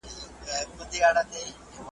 شاګرد به خپل مخالفت په ازاده توګه څرګندوي.